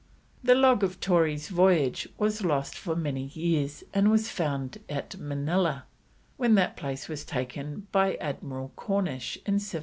The log of Torres's voyage was lost for many years, and was found at Manilla, when that place was taken by Admiral Cornish in 1762.